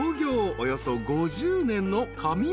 およそ５０年の］